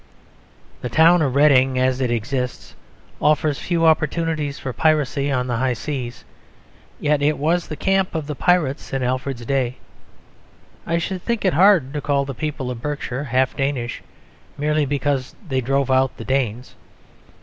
The town of Reading, as it exists, offers few opportunities for piracy on the high seas: yet it was the camp of the pirates in Alfred's day. I should think it hard to call the people of Berkshire half Danish, merely because they drove out the Danes.